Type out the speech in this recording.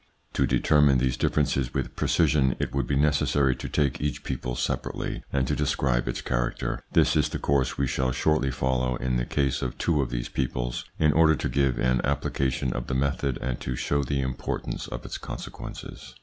To determine these differences with precision, it would be necessary to take each people separately, and to describe its character. This is the course we shall shortly follow in the case of two of these peoples in order to give an application of the method and to show the importance of its consequences.